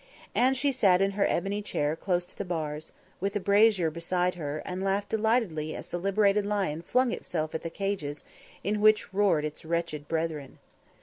And she sat in her ebony chair close to the bars, with a brazier beside her, and laughed delightedly as the liberated lion flung itself at the cages in which roared its wretched brethren.